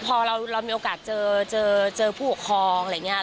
พอเรามีโอกาสเจอเจอผู้ปกครองอะไรอย่างนี้